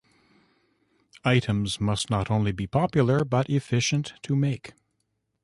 Items must not only be popular, but efficient to make.